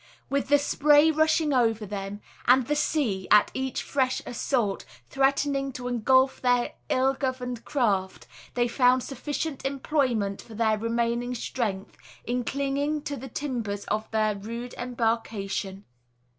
With the spray rushing over them, and the sea, at each fresh assault, threatening to engulf their ill governed craft, they found sufficient employment for their remaining strength, in clinging to the timbers of their rude embarkation.